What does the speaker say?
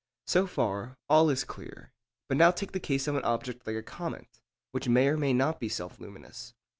So far all is clear. But now take the case of an object like a comet, which may or may not be self luminous.